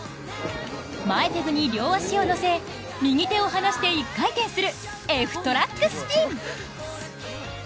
前ペグに両足を乗せ右手を離して一回転するＦトラックスピン。